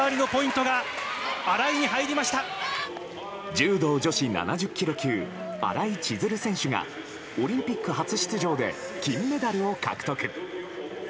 柔道女子７０ｋｇ級新井千鶴選手がオリンピック初出場で金メダルを獲得。